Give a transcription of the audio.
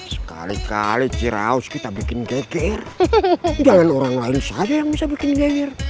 sekali kali cirehouse kita bikin geger jangan orang lain saja yang bisa bikin geger